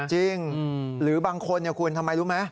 จริงหรือบางคนคุณทำไมรู้ไหม